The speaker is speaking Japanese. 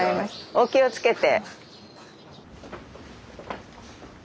お気をつけて。